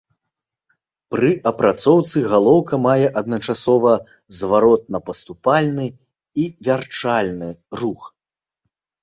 Пры апрацоўцы галоўка мае адначасова зваротна-паступальны і вярчальны рух.